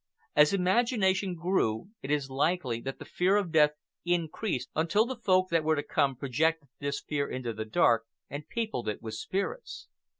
As imagination grew it is likely that the fear of death increased until the Folk that were to come projected this fear into the dark and peopled it with spirits.